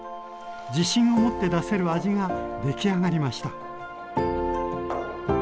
自信を持って出せる味が出来上がりました。